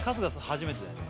初めてだよね？